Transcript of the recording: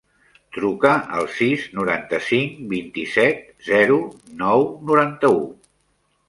Truca al sis, noranta-cinc, vint-i-set, zero, nou, noranta-u.